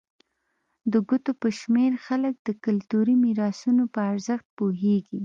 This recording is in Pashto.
د ګوتو په شمېر خلک د کلتوري میراثونو په ارزښت پوهېږي.